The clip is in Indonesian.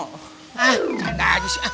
hah ada aja sih